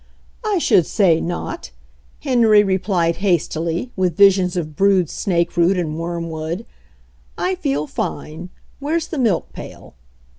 "I should say not !" Henry replied hastily, with visions of brewed snakeroot and wormwood. "I feel fine. Where's the milk pail